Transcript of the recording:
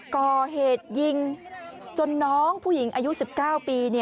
ก่อเหตุยิงจนน้องผู้หญิงอายุ๑๙ปี